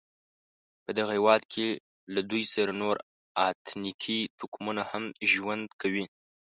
په دغه هېواد کې له دوی سره نور اتنیکي توکمونه هم ژوند کوي.